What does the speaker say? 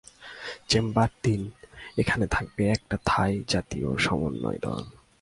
Chamber তিন, এখানে থাকবে একটা থাই জাতীয় সমন্বয় দল।